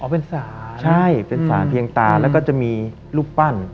เป็นสารใช่เป็นสารเพียงตาแล้วก็จะมีรูปปั้น